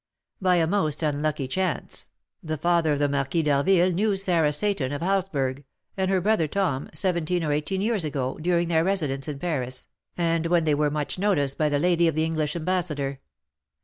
"By a most unlucky chance, the father of the Marquis d'Harville knew Sarah Seyton of Halsburg, and her brother Tom, seventeen or eighteen years ago, during their residence in Paris, and when they were much noticed by the lady of the English ambassador.